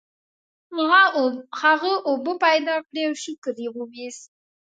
هغه اوبه پیدا کړې او شکر یې وویست.